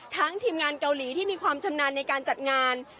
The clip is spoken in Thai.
ทีมงานเกาหลีที่มีความชำนาญในการจัดงาน